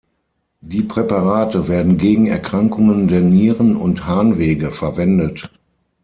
Die Präparate werden gegen Erkrankungen der Nieren und Harnwege verwendet.